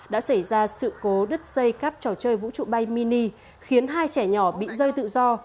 đã xảy ra sự cố đứt dây cáp trò chơi vũ trụ bay mini khiến hai trẻ nhỏ bị rơi tự do